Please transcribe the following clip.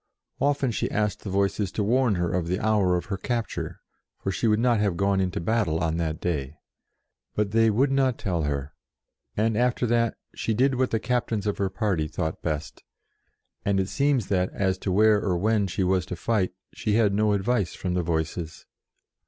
Often she asked the Voices to warn her of the hour of her capture, for she would not have gone into battle on that day. But they would not tell her, and, after that, she did what the Captains of her party thought best, and it seems that, as to where or when she was to fight, she had no advice from the Voices.